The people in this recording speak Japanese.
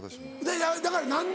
だから何で？